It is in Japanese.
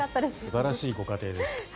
素晴らしいご家庭です。